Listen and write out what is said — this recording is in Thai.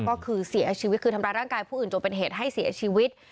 ก็คือเสียชีวิตคือทำร้ายร่างกายผู้อื่นจนเป็นเหตุให้เสียชีวิต